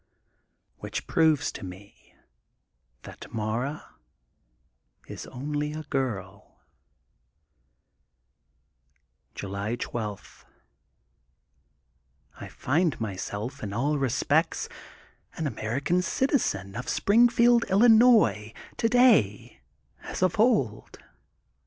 Which proves to me that Mara is only a girL July 12: — ^I find myself in all respects an American citizen of Springfield, Illinois, to day, as of old.